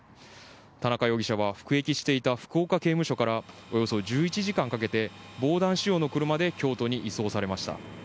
田中容疑者は服役していた福岡刑務所からおよそ１１時間かけて防弾仕様の車で京都に移送されました。